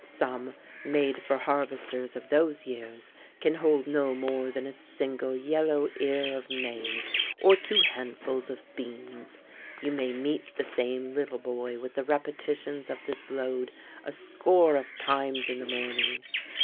Some, made for harvesters of those years, can hold no more than a single yellow ear of maize or two handfuls of beans. You may meet the same little boy with the repetitions of this load a score of times in the morning.